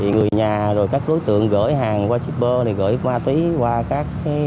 người nhà các đối tượng gửi hàng qua shipper gửi ma túy qua các